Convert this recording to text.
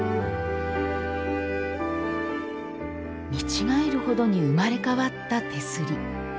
見違えるほどに生まれ変わった手すり。